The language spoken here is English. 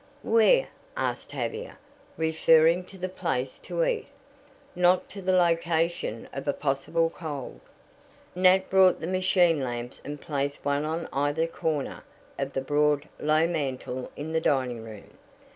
"Where?" asked Tavia, referring to the place to eat, not to the location of a possible cold. Nat brought the machine lamps and placed one on either corner of the broad, low mantel in the dining room.